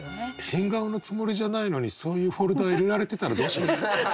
変顔のつもりじゃないのにそういうフォルダ入れられてたらどうします？